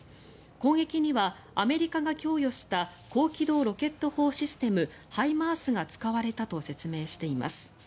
攻撃にはアメリカが供与した高機動ロケット砲システムＨＩＭＡＲＳが使われたと説明しています。